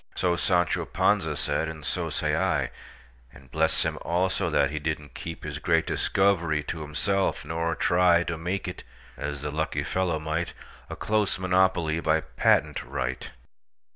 So Sancho Panza said, and so say I:And bless him, also, that he did n't keepHis great discovery to himself; nor tryTo make it—as the lucky fellow might—A close monopoly by patent right!